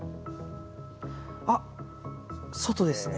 あっ外ですね。